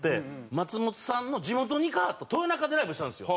松本さんの地元に行かはった豊中でライブしたんですよ。